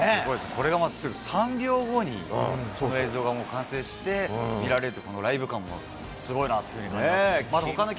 これがまず、３秒後にこの映像が完成して見られるって、ライブ感もすごいなというふうに感じましたね。